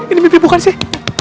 ini mimpi bukan sih